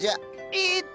えっと。